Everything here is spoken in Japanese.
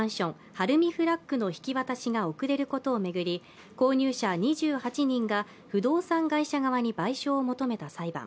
晴海フラッグの引き渡しが遅れることを巡り、購入者２８人が不動産会社側に賠償を求めた裁判。